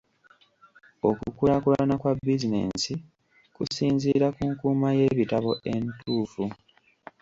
Okukulaakulana kwa bizinensi kusinziira ku nkuuma y’ebitabo entuufu.